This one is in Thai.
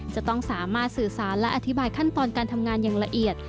จะต้องสามารถสื่อสารและอธิบายขั้นตอนการทำงานอย่างละเอียด